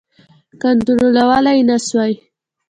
کنټرولولای نه سوای.